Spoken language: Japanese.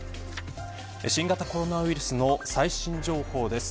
新型コロナウイルスの最新情報です。